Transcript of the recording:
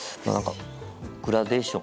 グラデーション